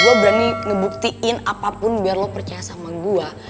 gue berani ngebuktiin apapun biar lo percaya sama gue